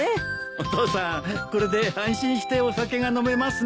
お父さんこれで安心してお酒が飲めますね。